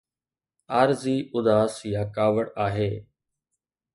عارضي اداس يا ڪاوڙ آهي.